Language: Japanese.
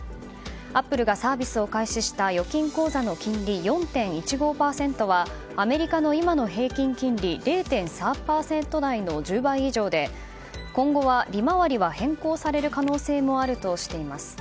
アップルがサービスを開始した預金口座の金利４．１５％はアメリカの今の平均金利０．３％台の１０倍以上で今後は、利回りは変更される可能性もあるとしています。